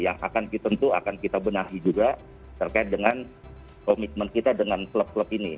yang akan tentu akan kita benahi juga terkait dengan komitmen kita dengan klub klub ini